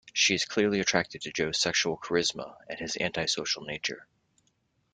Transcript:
She is clearly attracted to Joe's sexual charisma and his anti-social nature.